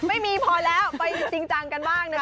ไม่มีพอแล้วไปจริงจังกันบ้างนะคะ